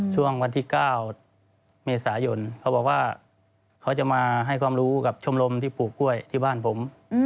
ช่วงวันที่๙เมษายนเขาบอกว่าเขาจะมาให้ความรู้กับชมรมที่ปลูกกล้วยที่บ้านผม